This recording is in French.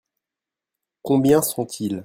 Combien sont-ils ?